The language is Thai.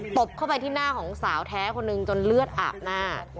บเข้าไปที่หน้าของสาวแท้คนหนึ่งจนเลือดอาบหน้า